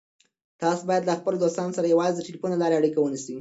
تاسو باید له خپلو دوستانو سره یوازې د ټلیفون له لارې اړیکه ونیسئ.